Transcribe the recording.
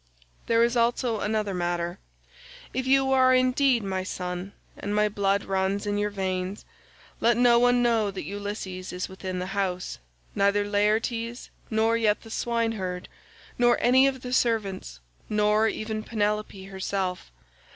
There is also another matter; if you are indeed my son and my blood runs in your veins, let no one know that Ulysses is within the house—neither Laertes, nor yet the swineherd, nor any of the servants, nor even Penelope herself.